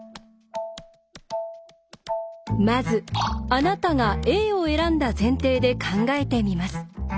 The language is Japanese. まずあなたがＡを選んだ前提で考えてみます。